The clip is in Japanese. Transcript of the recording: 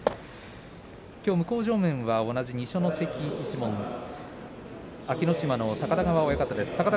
きょう向正面は同じ二所ノ関一門安芸乃島の高田川親方です。